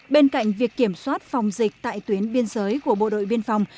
bên cạnh việc kiểm soát phòng dịch tại tuyến biên giới của bộ đội biên phòng